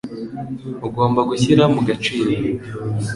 Ugomba gushyira mu gaciro